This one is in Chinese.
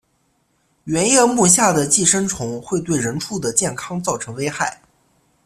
圆叶目下的寄生虫会对人畜的健康造成危害。